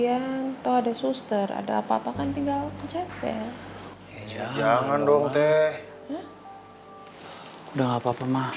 kalian tuh ada suster ada apa apa kan tinggal ke jepang jangan dong teh udah nggak apa apa mah